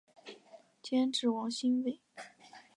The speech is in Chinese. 监制王心慰。